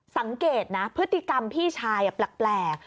สังเกตนะพฤติกรรมพี่ชายแปลก